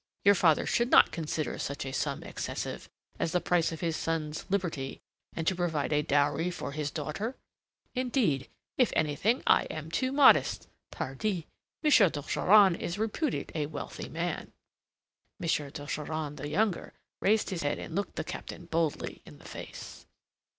Your father should not consider such a sum excessive as the price of his son's liberty and to provide a dowry for his daughter. Indeed, if anything, I am too modest, pardi! M. d'Ogeron is reputed a wealthy man." M. d'Ogeron the younger raised his head and looked the Captain boldly in the face.